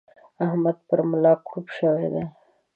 احمد پر ملا کړوپ شوی دی.